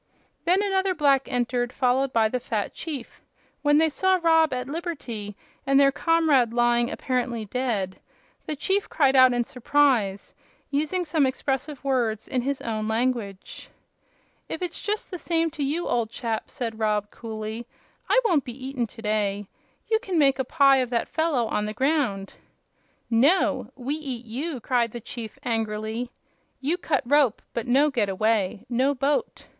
Then another black entered, followed by the fat chief. When they saw Rob at liberty, and their comrade lying apparently dead, the chief cried out in surprise, using some expressive words in his own language. "If it's just the same to you, old chap," said Rob, coolly, "I won't be eaten to day. You can make a pie of that fellow on the ground." "No! We eat you," cried the chief, angrily. "You cut rope, but no get away; no boat!"